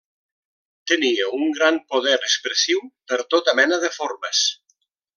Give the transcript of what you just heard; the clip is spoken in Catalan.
Tenia un gran poder expressiu per tota mena de formes.